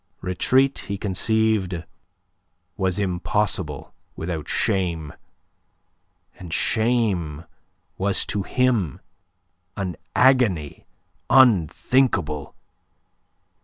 Retreat, he conceived, was impossible without shame; and shame was to him an agony unthinkable.